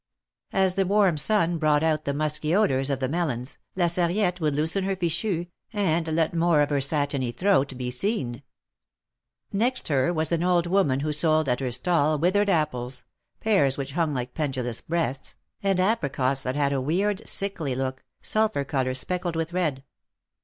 As the warm sun brought out the musky odors of the melons. La Sarriette would loosen her fichu, and let more of her satiny throat be seen. 15 238 THE MARKETS OF PARIS. Next lier was an old woman who sold at her stall withered apples, pears which hung like pendulous breasts, and apricots that had a weird, sickly look, sulphur color specked with red.